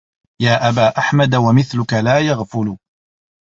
يا أبا أحمد ومثلك لا يغفل